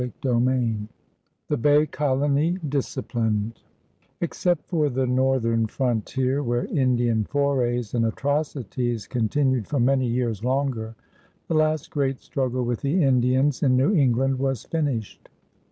CHAPTER IX THE BAY COLONY DISCIPLINED Except for the northern frontier, where Indian forays and atrocities continued for many years longer, the last great struggle with the Indians in New England was finished.